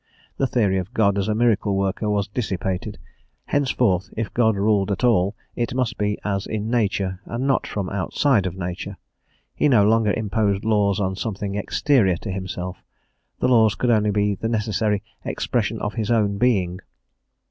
The theory of God as a miracle worker was dissipated; henceforth if God ruled at all it must be as in nature and not from outside of nature; he no longer imposed laws on something exterior to himself, the laws could only be the necessary expression of his own being.